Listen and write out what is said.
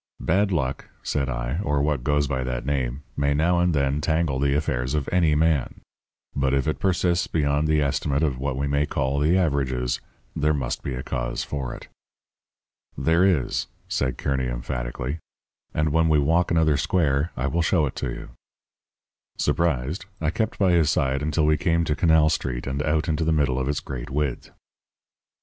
"'Bad luck,' said I, 'or what goes by that name, may now and then tangle the affairs of any man. But if it persists beyond the estimate of what we may call the "averages" there must be a cause for it.' "'There is,' said Kearny emphatically, 'and when we walk another square I will show it to you.' "Surprised, I kept by his side until we came to Canal Street and out into the middle of its great width.